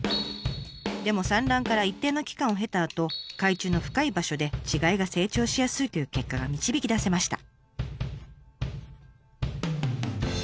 でも産卵から一定の期間を経たあと海中の深い場所で稚貝が成長しやすいという結果が導き出せました。